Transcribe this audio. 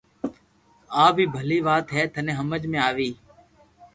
آ بي ڀلو وات ھي ٿني ھمج مي آوي